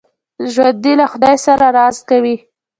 ژوندي له خدای سره راز کوي